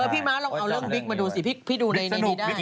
พี่ม้าลองเอาเรื่องบิ๊กมาดูสิพี่ดูในนี้ได้